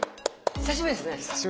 久しぶりです。